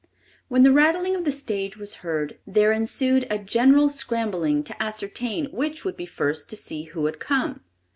When the rattling of the stage was heard, there ensued a general scrambling to ascertain which would be first to see who had come.